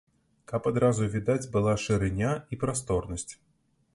Каб адразу відаць была шырыня і прасторнасць.